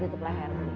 gitu lah ya